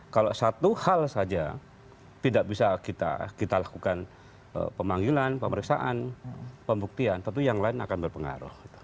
kalau satu hal saja tidak bisa kita lakukan pemanggilan pemeriksaan pembuktian tentu yang lain akan berpengaruh